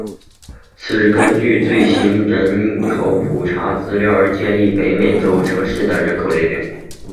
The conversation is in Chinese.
此为根据官方最新人口普查资料而建立的北美洲城市人口列表。